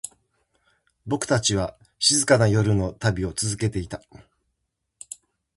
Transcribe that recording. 僕たちは、静かな夜の旅を続けていた。